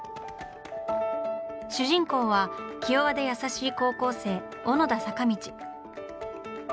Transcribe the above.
主人公は気弱で優しい高校生小野田坂道。